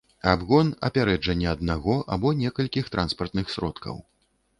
абгон — апярэджанне аднаго або некалькіх транспартных сродкаў